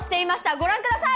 ご覧ください。